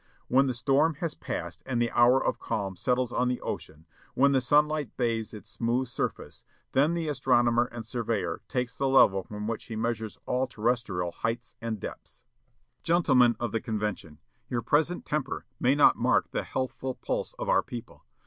When the storm has passed and the hour of calm settles on the ocean, when the sunlight bathes its smooth surface, then the astronomer and surveyor takes the level from which he measures all terrestrial heights and depths. "Gentlemen of the convention, your present temper may not mark the healthful pulse of our people.